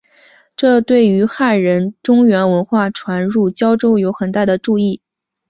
这对于汉人中原文化传入交州有很大的助益。